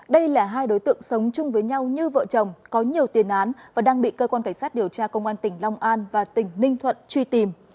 đây là hai đối tượng sống chung với nhau như vợ chồng có nhiều tiền án và đang bị cơ quan cảnh sát điều tra công an tỉnh long an và tỉnh ninh thuận truy tìm